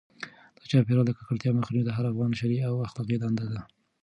د چاپیریال د ککړتیا مخنیوی د هر افغان شرعي او اخلاقي دنده ده.